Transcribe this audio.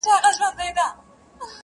زه د وجود نه راوتلې روح و تاته سپارم~